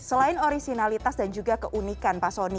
selain originalitas dan juga keunikan pak soni